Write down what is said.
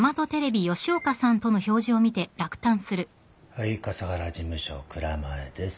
はい笠原事務所蔵前です。